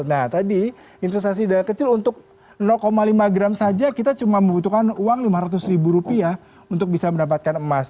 nah tadi investasi dana kecil untuk lima gram saja kita cuma membutuhkan uang lima ratus ribu rupiah untuk bisa mendapatkan emas